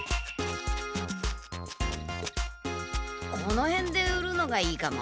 このへんで売るのがいいかも。